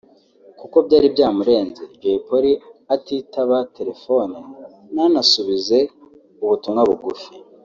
kuko byari byamurenze Jay Polly atitaba telefoni ntanasubize ubutumwa bugufi